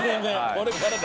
これからだ。